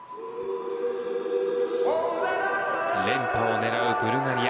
連覇を狙うブルガリア。